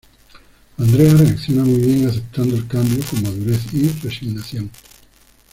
Andrea reacciona muy bien, aceptando el cambio con madurez y resignación.